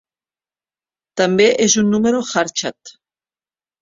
També és un número Harshad.